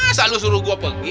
masa lu suruh gue pergi